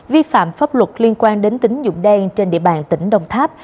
vi phạm pháp luật liên quan đến tính dụng đen trên địa bàn tỉnh đồng tháp